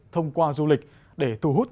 thông qua du lịch để thu hút